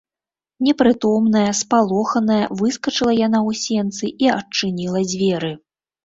Непрытомная, спалоханая выскачыла яна ў сенцы і адчыніла дзверы.